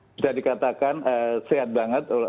bisa dikatakan sehat banget